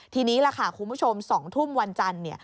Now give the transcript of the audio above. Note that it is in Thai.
ทีนี้ล่ะค่ะคุณผู้ชม๒ทุ่มวันจันทร์